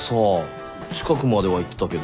近くまでは行ってたけど。